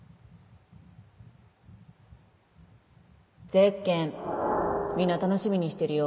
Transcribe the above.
ゼッケンみんな楽しみにしてるよ